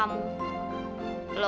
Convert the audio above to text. aku mau menjaga lo